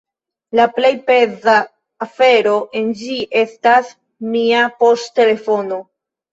La plej peza afero en ĝi estas mia poŝtelefono.